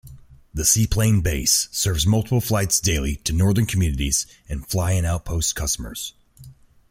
The seaplane base serves multiple flights daily to northern communities and fly-in outpost customers.